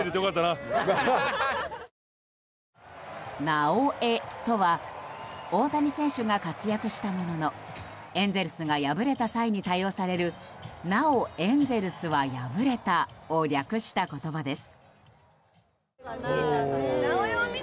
「なおエ」とは大谷選手が活躍したもののエンゼルスが敗れた際に多用される「なお、エンゼルスは敗れた」を略した言葉です。